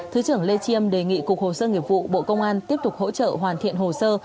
thứ trưởng lê chiêm đề nghị cục hồ sơ nghiệp vụ bộ công an tiếp tục hỗ trợ hoàn thiện hồ sơ